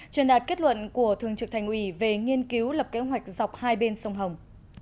truyền đạt kết luận của thường trực thành ủy về nghiên cứu lập kế hoạch dọc hai bên sông hồng